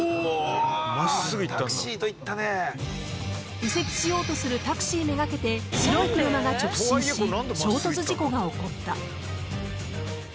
［右折しようとするタクシーめがけて白い車が直進し衝突事故が起こった］